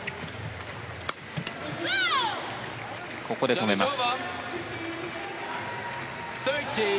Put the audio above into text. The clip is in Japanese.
ここで止めます。